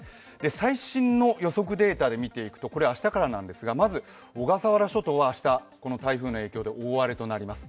最新の予測データで見ていくと、これ、明日からなんですが、まず小笠原諸島は明日、台風の影響で大荒れとなります。